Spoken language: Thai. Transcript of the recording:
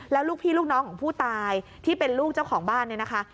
แล้วลูกพี่ลูกน้องของผู้ตายที่เป็นลูกเจ้าของบ้านเนี่ยนะคะ